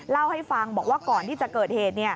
เล่าให้ฟังบอกว่าก่อนที่จะเกิดเหตุ